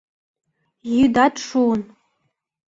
Йӱдат шуын.